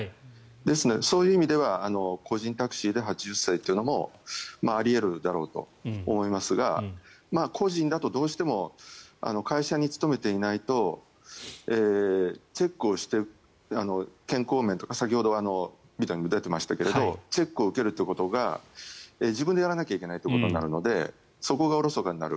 ですので、そういう意味では個人タクシーで８０歳というのもあり得るだろうと思いますが個人だとどうしても会社に勤めていないとチェックをして健康面とか先ほどＶＴＲに出ていましたがチェックを受けるということが自分でやらなきゃいけないとなるのでそこがおろそかになる。